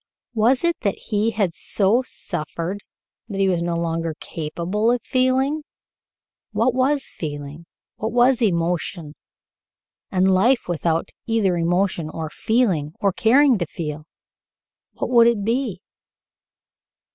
Was it that he had so suffered that he was no longer capable of feeling? What was feeling? What was emotion: and life without either emotion, or feeling, or caring to feel, what would it be?